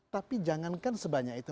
tapi jangankan sebanyak itu